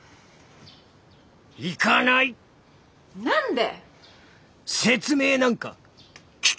何で！？